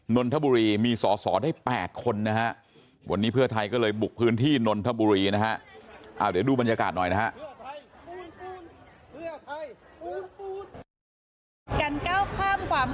นนทบุรีมีสอสอได้แปดคนนะฮะวันนี้เพื่อไทยก็เลยบุกพื้นที่นนทบุรีนะฮะ